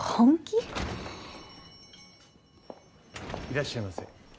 いらっしゃいませ。